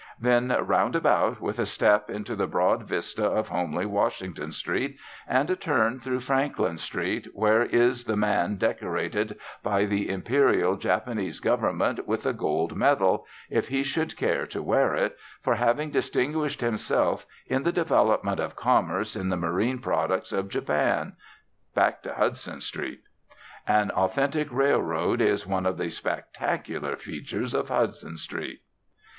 Then roundabout, with a step into the broad vista of homely Washington Street, and a turn through Franklin Street, where is the man decorated by the Imperial Japanese Government with a gold medal, if he should care to wear it, for having distinguished himself in the development of commerce in the marine products of Japan, back to Hudson Street. An authentic railroad is one of the spectacular features of Hudson Street.